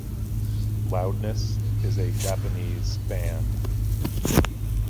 Loudness is a Japanese band.